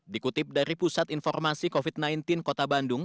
dikutip dari pusat informasi covid sembilan belas kota bandung